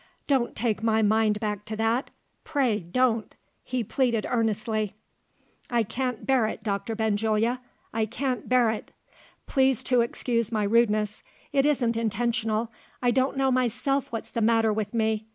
"Don't take my mind back to that pray don't!" he pleaded earnestly. "I can't bear it, Doctor Benjulia I can't bear it! Please to excuse my rudeness: it isn't intentional I don't know myself what's the matter with me.